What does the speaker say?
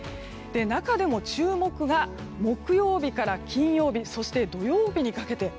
中でも注目が木曜日から金曜日そして、土曜日にかけて。